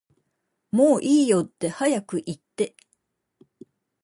もういいよって早く言って